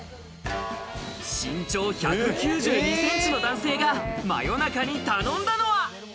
身長１９２ｃｍの男性が真夜中に頼んだのは？